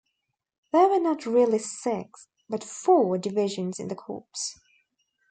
There were not really six, but four, divisions in the corps.